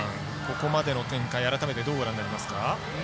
ここまでの展開、改めてどうご覧になりますか？